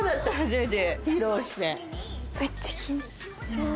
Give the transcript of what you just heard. めっちゃ。